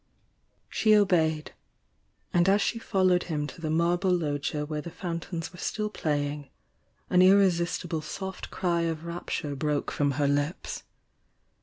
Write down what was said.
She obeyed, — and as she followed him to the marble loggia where the fountains were still play ing, an irresistible soft cry of rapture broke from her lips.